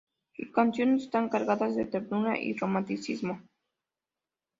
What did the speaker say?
Sus canciones están cargadas de ternura y romanticismo.